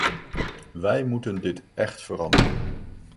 Wij moeten dit echt veranderen.